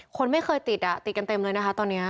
คนไม่เคยติดอ่ะติดกันเต็มเลยนะคะตอนนี้